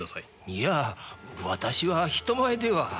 いや私は人前では。